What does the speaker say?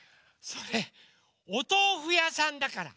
それおとうふやさんだから！